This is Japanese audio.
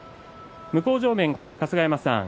向正面春日山さん